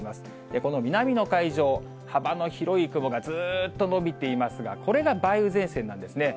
この南の海上、幅の広い雲がずっと延びていますが、これが梅雨前線なんですね。